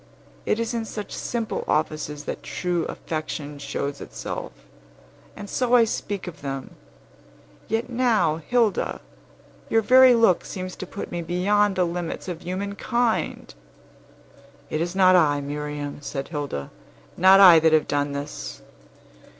It is in such simple offices that true affection shows itself; and so I speak of them. Yet now, Hilda, your very look seems to put me beyond the limits of human kind!" "It is not I, Miriam," said Hilda; "not I that have done this."